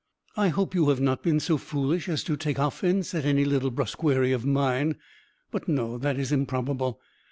I hope you have not been so foolish as to take offence at any little brusquerie of mine; but no, that is improbable.